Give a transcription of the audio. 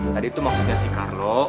tadi itu maksudnya si carlo